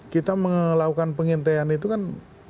kita melakukan pengintean itu kan